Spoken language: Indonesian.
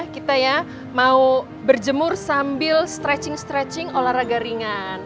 kita ya mau berjemur sambil stretching stretching olahraga ringan